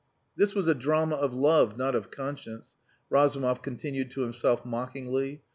This was a drama of love, not of conscience, Razumov continued to himself mockingly.